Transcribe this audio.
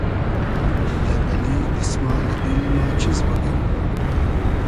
دۂ بئلې دیسمالی دیل ما چیز بوگیم